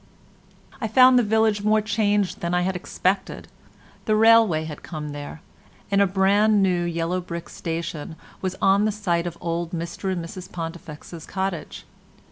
I found the village more changed than I had expected. The railway had come there, and a brand new yellow brick station was on the site of old Mr and Mrs Pontifex's cottage.